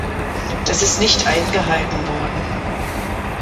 Das ist nicht eingehalten worden.